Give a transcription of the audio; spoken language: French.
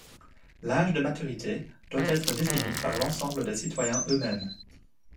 L'âge de maturité doit être défini par l'ensemble des citoyens eux-mêmes.